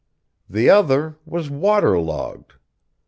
The other was water logged.